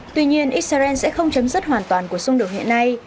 tuy nhiên israel sẽ không chấm dứt hoàn toàn cuộc xung đột hiện nay